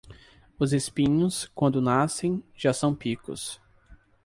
Os espinhos, quando nascem, já são picos.